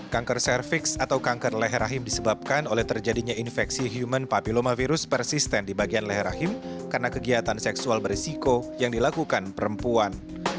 kanker cervix atau kanker leher rahim disebabkan oleh terjadinya infeksi human papillomavirus persisten di bagian leher rahim karena kegiatan seksual berisiko yang dilakukan perempuan